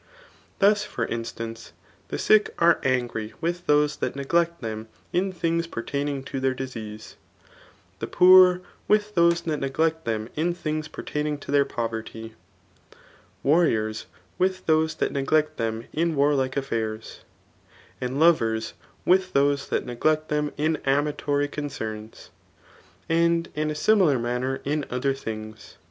Thus feif instance, tl^ sick are angry whh those that neglect them in ..things pertaining to their disease; the poor, witb those that n^lect them in things pertaining to their poverty ; warriors with those that neglect them in war^ like affairs ; and lovers with those that neglect them m amatory concerns; and in a similar manner in other things.